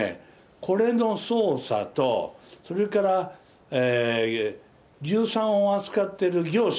これの捜査と、それから硫酸を扱っている業者、